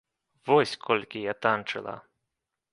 Вось колькі я танчыла!